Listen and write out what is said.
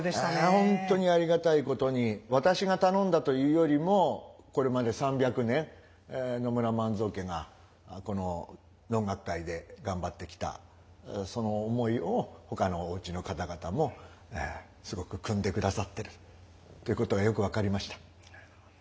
ええ本当にありがたいことに私が頼んだというよりもこれまで３００年野村万蔵家がこの能楽界で頑張ってきたその思いをほかのお家の方々もすごく汲んでくださってるということがよく分かりました。